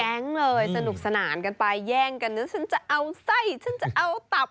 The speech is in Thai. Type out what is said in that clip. เลยสนุกสนานกันไปแย่งกันนะฉันจะเอาไส้ฉันจะเอาตับ